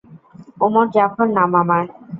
ওমর জাফর নাম আমার।